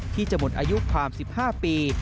ที่จะหมดอายุความ๑๕ปี